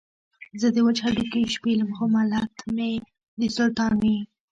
زه دې وچ هډوکي شپېلم خو ملت مې دې سلطان وي.